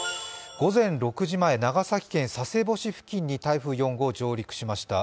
午前６時前、長崎県佐世保市付近に台風４号上陸しました。